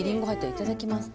いただきます。